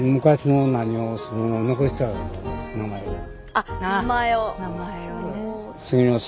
あっ名前を。